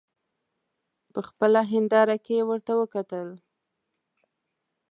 په خپله هینداره کې ورته وکتل.